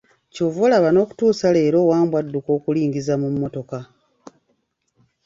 Ky'ova olaba n'okutuusa leero, Wambwa adduka okulingiza mu mmotoka.